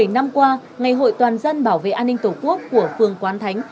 một mươi bảy năm qua ngày hội toàn dân bảo vệ an ninh tổ quốc của phường quán thánh